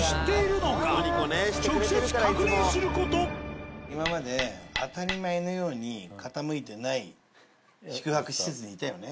それはご主人が今まで当たり前のように傾いてない宿泊施設にいたよね。